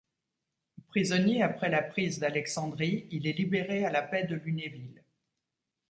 Prisonnier après la prise d'Alexandrie, il est libéré à la paix de Lunéville.